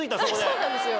そうなんですよ。